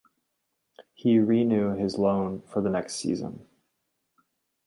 He renew his loan for the next season.